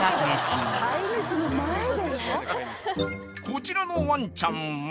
［こちらのワンちゃんは］